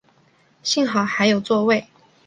幸好还有座位